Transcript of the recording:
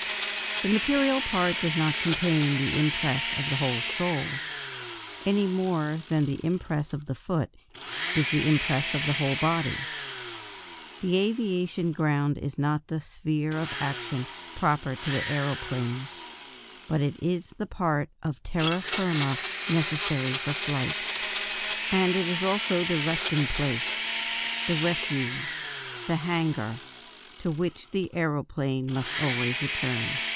The material part does not contain the impress of the whole soul, any more than the impress of the foot is the impress of the whole body; the aviation ground is not the sphere of action proper to the aeroplane, but it is the part of terra firma necessary for flight, and it is also the resting place, the refuge, the hangar to which the aeroplane must always return.